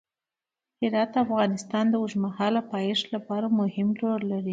هرات د افغانستان د اوږدمهاله پایښت لپاره مهم رول لري.